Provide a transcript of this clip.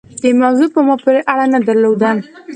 دې موضوع په ما پورې اړه نه درلوده.